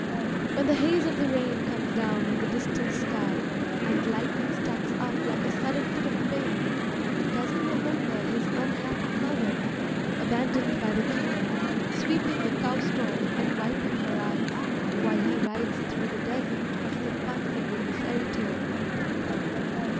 When the haze of the rain comes down in the distant sky, and lightning starts up like a sudden fit of pain, does he remember his unhappy mother, abandoned by the king, sweeping the cow stall and wiping her eyes, while he rides through the desert of Tepântar in the fairy tale?